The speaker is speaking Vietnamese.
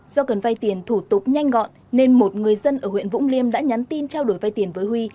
do cần vay tiền thủ tục nhanh gọn nên một người dân ở huyện vũng liêm đã nhắn tin trao đổi vay tiền với huy